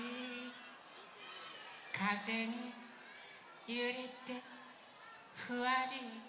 「かぜにゆれてふわり」